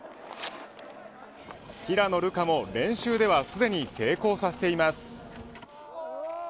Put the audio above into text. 平野流佳も、練習ではすでに成功させています。